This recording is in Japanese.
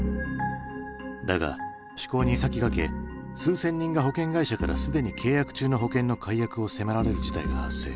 だが施行に先駆け数千人が保険会社からすでに契約中の保険の解約を迫られる事態が発生。